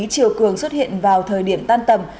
chiều cường xuất hiện vào thời điểm tan tầm